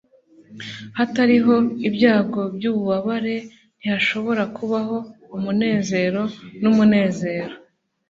hatariho ibyago byububabare, ntihashobora kubaho umunezero numunezero